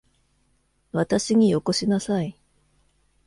私によこしなさい。